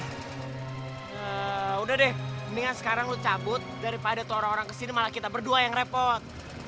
udah deh mendingan sekarang lu cabut daripada tuh orang orang kesini malah kita berdua yang repot